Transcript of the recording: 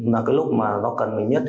là cái lúc mà nó cần mình nhất